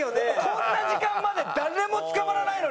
こんな時間まで誰も捕まらないのに。